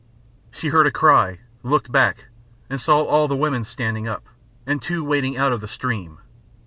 She heard a cry, looked back, and saw all the women standing up, and two wading out of the stream.